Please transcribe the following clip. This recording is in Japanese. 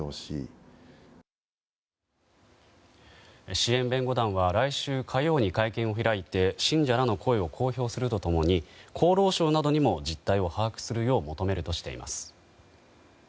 支援弁護団は来週火曜に会見を開いて信者らの声を公表すると共に厚労省などにも実態を把握するよう求めるとしています。